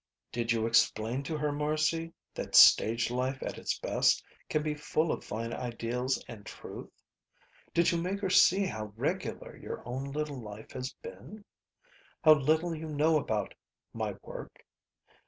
"Did you explain to her, Marcy, that stage life at its best can be full of fine ideals and truth? Did you make her see how regular your own little life has been? How little you know about my work?